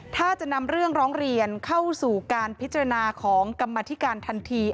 ถ้าจะนำเรื่องร้องเรียนเข้าสู่การพิจารณาของกรรมธิการทันที